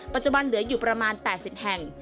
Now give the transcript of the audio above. ปัจจุบันเหลืออยู่ประมาณ๘๐แห่ง